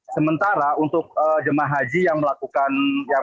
sementara untuk jemaah haji yang melakukan